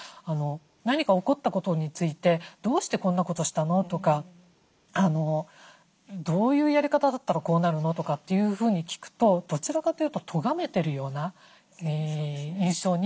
何か起こったことについて「どうしてこんなことしたの？」とか「どういうやり方だったらこうなるの？」とかっていうふうに聞くとどちらかというととがめてるような印象になってしまうことがあるので。